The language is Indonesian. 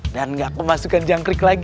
tangan ini sudah jadi kotor